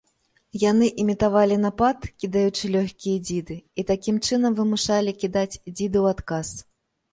Яны імітавалі напад, кідаючы лёгкія дзіды, і такім чынам вымушалі кідаць дзіды ў адказ.